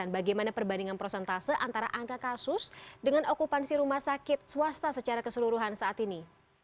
bagaimana perbandingan prosentase antara angka kasus dengan okupansi rumah sakit swasta secara keseluruhan saat ini